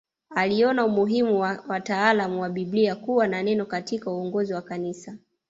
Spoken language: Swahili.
Aliona umuhimu wa wataalamu wa Biblia kuwa na neno katika uongozi wa kanisa